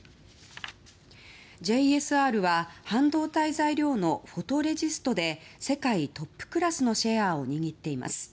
ＪＳＲは半導体材料のフォトレジストで世界トップクラスのシェアを握っています。